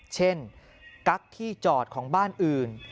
กั๊กที่จอดของบ้านอื่น